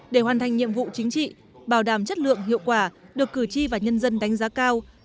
để hoàn thành nhiệm vụ chính trị bảo đảm chất lượng hiệu quả được cử tri và nhân dân đánh giá cao